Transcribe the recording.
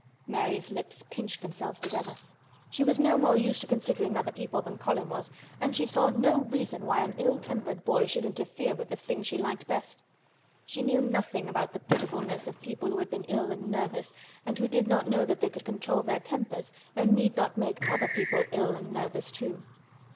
Mary's lips pinched themselves together. She was no more used to considering other people than Colin was and she saw no reason why an ill tempered boy should interfere with the thing she liked best. She knew nothing about the pitifulness of people who had been ill and nervous and who did not know that they could control their tempers and need not make other people ill and nervous, too.